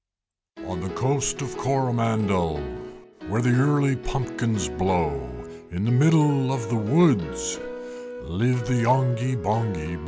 On the Coast of Coromandel Where the early pumpkins blow, In the middle of the woods Lived the Yonghy Bonghy Bò.